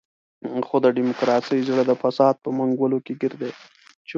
خو د ډیموکراسۍ زړه د فساد په منګولو کې ګیر دی.